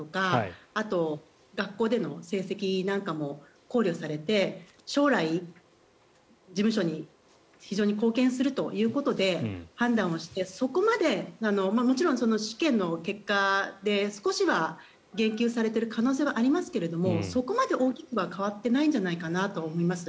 あと学校での成績なんかも考慮されて将来、事務所に非常に貢献するということで判断をして、そこまでもちろん試験の結果で少しは減給されている可能性はありますけどそこまで大きくは変わってないんじゃないかなと思います。